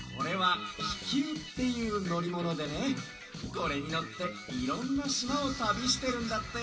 これにのっていろんなしまをたびしてるんだって。